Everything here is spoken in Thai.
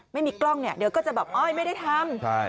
ไม่มีกล้องเนี่ยเดี๋ยวก็จะแบบอ้อยไม่ได้ทำ